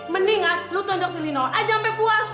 mendingan lo tonjok si lino aja sampe puas